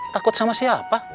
takut sama siapa